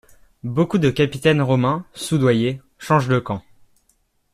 Beaucoup de capitaines romains, soudoyés, changent de camp.